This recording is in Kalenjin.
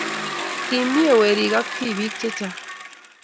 Kimie werik ak tibik chechang